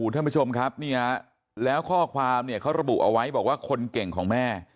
ท่านผู้ชมครับเนี่ยแล้วข้อความเนี่ยเขาระบุเอาไว้บอกว่าคนเก่งของแม่